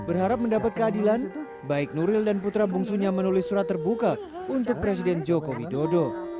berharap mendapat keadilan baik nuril dan putra bungsunya menulis surat terbuka untuk presiden joko widodo